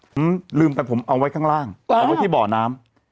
ผมลืมแต่ผมเอาไว้ข้างล่างเอาไว้ที่บ่อน้ำ